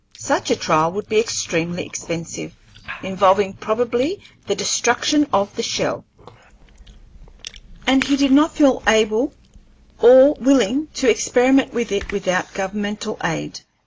Such a trial would be extremely expensive, involving probably the destruction of the shell, and he did not feel able or willing to experiment with it without governmental aid.